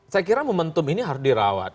saya kira momentum ini harus dirawat